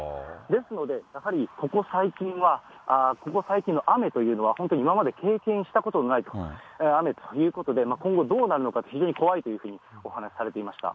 ですので、やはりここ最近は、ここ最近の雨というのは、本当に今まで経験したことのない雨ということで、今後どうなるのか非常に怖いというふうにお話されていました。